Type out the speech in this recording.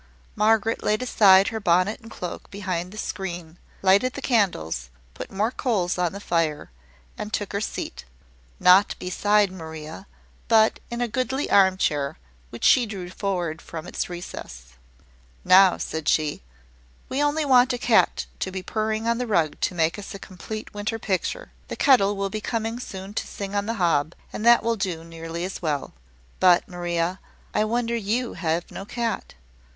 Margaret laid aside her bonnet and cloak behind the screen, lighted the candles, put more coals on the fire, and took her seat not beside Maria, but in a goodly armchair, which she drew forward from its recess. "Now," said she, "we only want a cat to be purring on the rug to make us a complete winter picture. The kettle will be coming soon to sing on the hob: and that will do nearly as well. But, Maria, I wonder you have no cat.